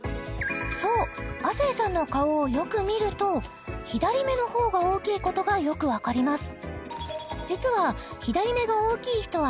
そう亜生さんの顔をよく見ると左目の方が大きいことがよく分かります